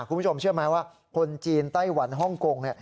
คุณผู้ชมเชื่อไหมว่าคนจีนไต้หวันฮ่องกง